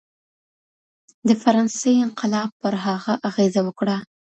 د فرانسې انقلاب پر هغه اغېزه وکړه.